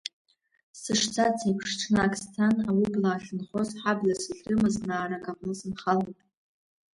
Сышцац еиԥш, ҽнак сцан, аублаа ахьынхоз, ҳаблас иахьрымаз наарак аҟны сынхалеит.